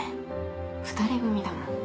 ２人組だもん。